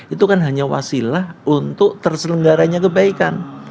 itu kan hanya wasilah untuk terselenggaranya kebaikan